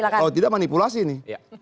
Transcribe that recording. kalau tidak manipulasi ini